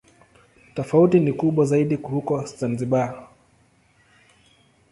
Tofauti ni kubwa zaidi huko Zanzibar.